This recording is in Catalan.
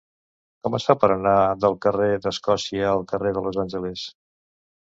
Com es fa per anar del carrer d'Escòcia al carrer de Los Angeles?